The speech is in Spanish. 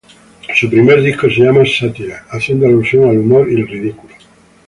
Su primer disco se llama "Sátira", haciendo alusión al humor y el ridículo.